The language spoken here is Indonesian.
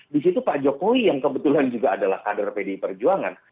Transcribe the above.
di situ pak jokowi yang kebetulan juga adalah kader pdi perjuangan